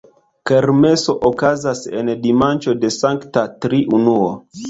Kermeso okazas en dimanĉo de Sankta Triunuo.